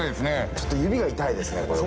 ちょっと指が痛いですねこれは。